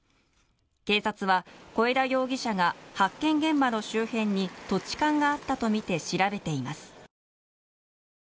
警察は小枝容疑者が発見現場の周辺に土地勘があったとみて調べています。